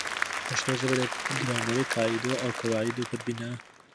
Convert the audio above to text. پښتو ژبه د ګرامري قاعدو او قوا عدو پر بناء